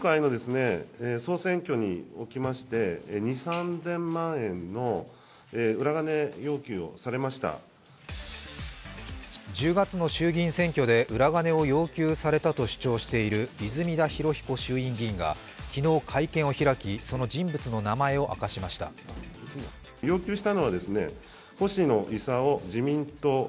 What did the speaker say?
１０月の衆議院選挙で裏金を要求されたと主張している泉田裕彦衆院議員が昨日会見を開き、その人物の名前を明かしました。